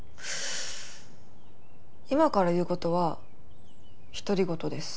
今から言う事は独り言です。